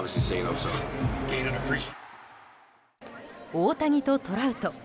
大谷とトラウト。